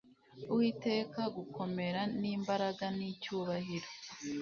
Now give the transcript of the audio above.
Uwiteka gukomera n imbaraga n icyubahiro